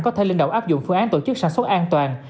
có thể linh động áp dụng phương án tổ chức sản xuất an toàn